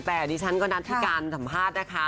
แต่ดิฉันก็นัดที่การสัมภาษณ์นะคะ